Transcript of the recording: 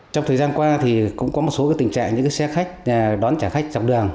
trong thời gian qua cũng có một số tình trạng những xe khách đón trả khách trong đường